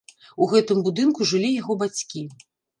У гэтым будынку жылі яго бацькі.